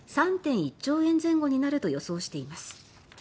３．１兆円前後になると予想しています。